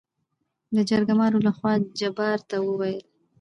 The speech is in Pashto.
دجرګمارو لخوا جبار ته وويل: